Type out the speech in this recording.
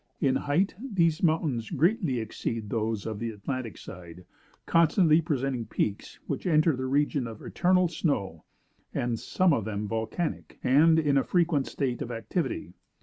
In height, these mountains greatly exceed those of the Atlantic side, constantly presenting peaks which enter the region of eternal snow; and some of them volcanic, and in a frequent state of activity.